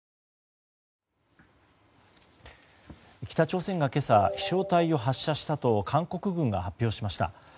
北朝鮮が今朝飛翔体を発射したと韓国軍が発表しました。